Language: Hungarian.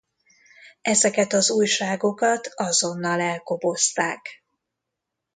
Ezeket az újságokat azonnal elkobozták.